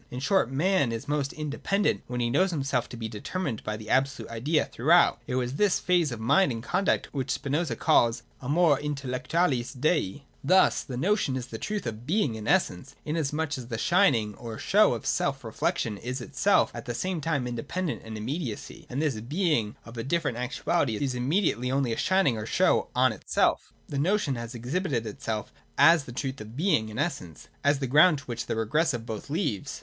In short, man is most independent when he knows himself to be determined by the absolute idea throughout. It was this phase of mind and conduct which Spinoza called Amor intellectualis Dei. 159.J Thus the Notion is the truth of Being and Essence, inasmuch as the shining or show of self reflection is itself at the same time independent im mediacy, and this being of a different actuality is im mediately only a shining or show on itself. The Notion has exhibited itself as the truth of Being and Essence, as the ground to which the regress of both leads.